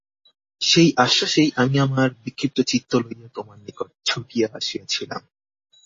সেই আশ্বাসেই আমি আমার বিক্ষিপ্ত চিত্ত লইয়া তোমার নিকট ছুটিয়া আসিয়াছিলাম।